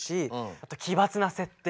あと奇抜な設定。